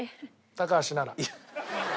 高橋なら。